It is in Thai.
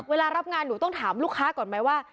เวลารับงานหนูต้องถามลูกค้าก่อนไหมว่า